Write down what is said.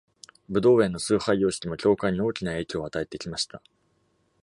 ブドウ園の崇拝様式も教会に大きな影響を与えてきました。